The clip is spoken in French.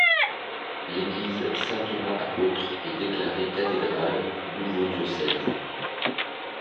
L'église Saint-Thomas Apôtre est déclarée cathédrale du nouveau diocèse.